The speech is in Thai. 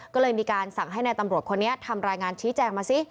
ก็เลยมีการสั่งให้นายตำรวจคนนี้ทำรายงานชี้แจงมาซิ